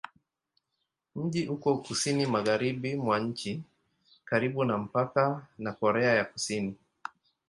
Mji uko kusini-magharibi mwa nchi, karibu na mpaka na Korea ya Kusini.